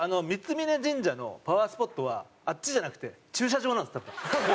三峯神社のパワースポットはあっちじゃなくて駐車場なんです多分。